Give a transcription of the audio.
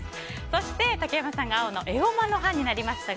そして、竹山さんが青のエゴマの葉になりました。